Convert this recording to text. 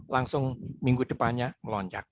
langsung minggu depannya melonjak